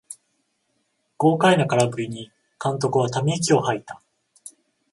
豪快な空振りに監督はため息をはいた